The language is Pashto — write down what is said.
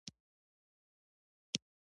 پارلمان کې استازي نه لرل.